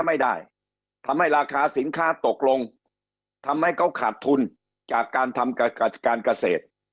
ไม่ได้ทำให้ราคาสินค้าตกลงทำให้เขาขาดทุนจากการทำการเกษตร